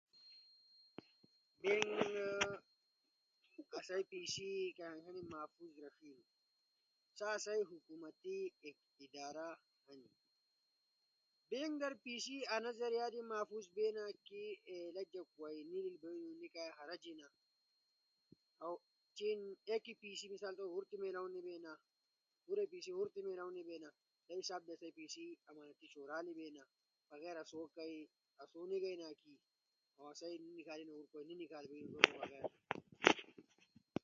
بینک آسئی پیسے کامیک ہنو محفوظ رݜینا۔ سا آسئی حکومتی ایک ادارہ ہنی، بینک در پیسے انا ذریعہ در مھفوظ بینا کے اؤ چین ایکی پیسے رݜاونا ہورتے میلاؤ نی بینا، ہورا پیسے ہور تی میلاؤ نی بینا۔ آدیئی حساب در پیسے امانتی چھورالی بینا۔ آسو نی نیکالے کوئی ہور نی نیکال بھئینا۔